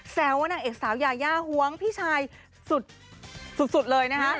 แซวว่านางเอกสาวยายาหวงพี่ชายสุดเลยนะคะ